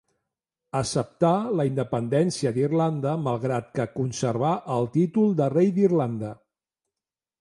Acceptà la independència d'Irlanda malgrat que conservà el títol de Rei d'Irlanda.